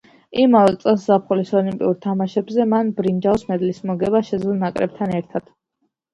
იმავე წელს ზაფხულის ოლიმპიურ თამაშებზე მან ბრინჯაოს მედლის მოგება შეძლო ნაკრებთან ერთად.